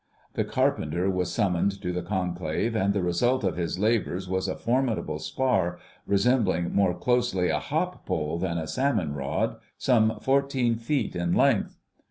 The Carpenter was summoned to the conclave, and the result of his labours was a formidable spar, resembling more closely a hop pole than a salmon rod, some fourteen feet in length.